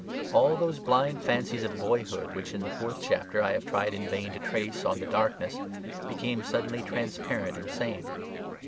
All those blind fancies of boyhood which in the fourth chapter I have tried in vain to trace on the darkness, became suddenly transparent and sane.